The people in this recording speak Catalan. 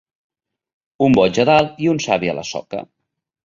Un boig a dalt i un savi a la soca.